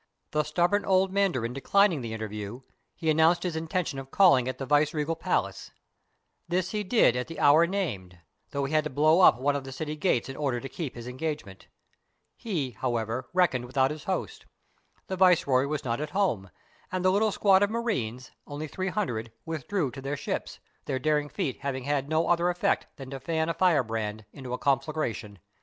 The stubborn old mandarin declining the interview, he announced his in tention of calling at the vice regal palace. This he did 199 CHINA at the hour named, though he had to blow up one of the city gates in order to keep his engagement. He, how ever, reckoned without his host ; the viceroy was not at home; and the little squad of marines, only three hun dred, withdrew to their ships, their daring feat having had no other effect than to fan a firebrand into a con flagration.